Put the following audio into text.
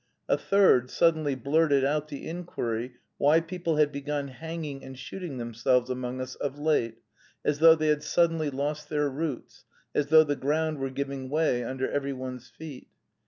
A third suddenly blurted out the inquiry why people had begun hanging and shooting themselves among us of late, as though they had suddenly lost their roots, as though the ground were giving way under every one's feet.